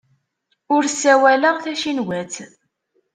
Ur ssawaleɣ tacinwat.